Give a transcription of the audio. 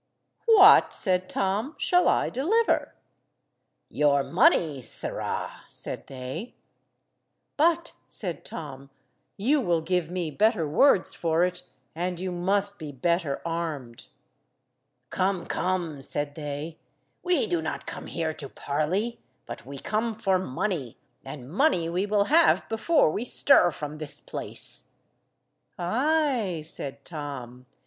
"What," said Tom, "shall I deliver?" "Your money, sirrah," said they. "But," said Tom, "you will give me better words for it, and you must be better armed." "Come, come," said they, "we do not come here to parley, but we come for money, and money we will have before we stir from this place." "Ay!" said Tom.